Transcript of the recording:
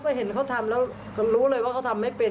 ก็เห็นเขาทำแล้วรู้เลยว่าเขาทำไม่เป็น